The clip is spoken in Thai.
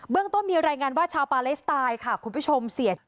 เรื่องต้นมีรายงานว่าชาวปาเลสไตน์ค่ะคุณผู้ชม